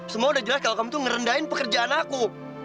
semua udah jelas kalau kamu tuh ngerendahin pekerjaan aku